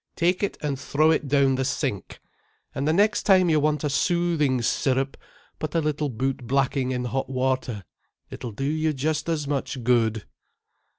"Take it and throw it down the sink, and the next time you want a soothing syrup put a little boot blacking in hot water. It'll do you just as much good."